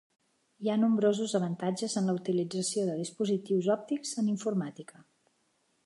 Hi ha nombrosos avantatges en la utilització de dispositius òptics en informàtica.